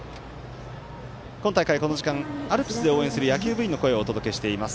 今大会、この時間アルプスで応援する野球部の声をお届けしています。